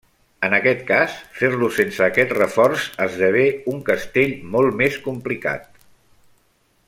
En aquest cas, fer-lo sense aquest reforç esdevé un castell molt més complicat.